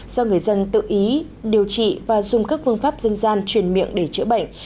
do người dân tự ý điều trị và dùng các phương pháp dân gian truyền miệng để chữa bệnh